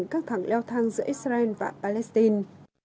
trong cảnh các thẳng leo thang giữa israel và palestine